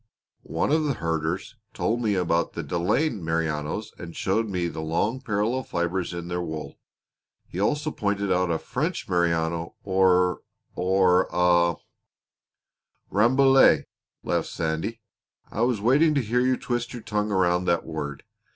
"One of the herders told me about the Delaine Merinos and showed me the long parallel fibers in their wool; he also pointed out a French Merino, or or a " "Rambouillet!" laughed Sandy. "I was waiting to hear you twist your tongue around that word.